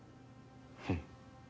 うん。